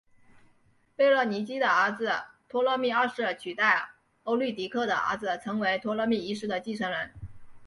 贝勒尼基的儿子托勒密二世取代欧律狄刻的儿子成为托勒密一世的继承人。